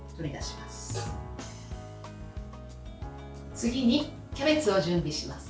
次に、キャベツを準備します。